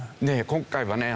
今回はね